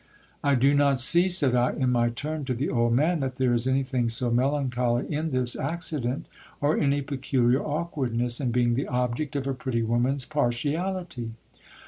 I do not see, said I in my turn to the old man, that there is anything so melancholy in this accident, or any peculiar awkwardness in being the object jf a pretty woman's partiality.